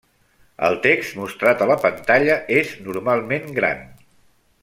El text mostrat a la pantalla és normalment gran.